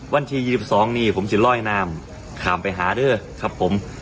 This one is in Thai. วันที่๒๒นี่ผมจะลอยน้ำข้ามไปหาเด้อครับผม